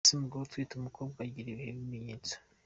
Ese umugore utwite umukobwa agira ibihe bimenyetso?.